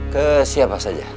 ke siapa saja